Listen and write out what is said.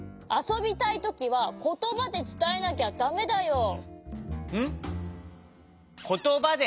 あそびたいときはことばでつたえなきゃだめだよ！